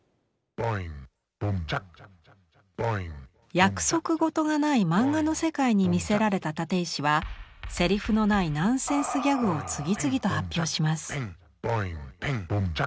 約束事がないマンガの世界に魅せられた立石はセリフのないナンセンスギャグを次々と発表します。